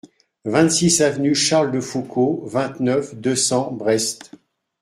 vingt-six avenue Charles de Foucauld, vingt-neuf, deux cents, Brest